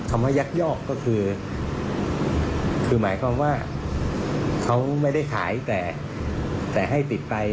คำว่ายักยอกก็คือคือหมายความว่าเขาไม่ได้ขายแต่ให้ติดไป